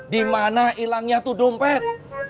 di mana hilangnya itu dompet